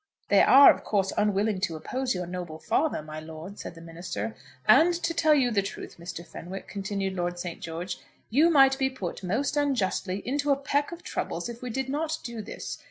"They are of course unwilling to oppose your noble father, my lord," said the minister. "And to tell you the truth, Mr. Fenwick," continued Lord St. George, "you might be put, most unjustly, into a peck of troubles if we did not do this.